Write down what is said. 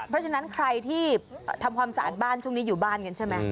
เพราะฉะนั้นใครที่ทำความสะอาดบ้านช่วงนี้อยู่บ้านกันใช่ไหม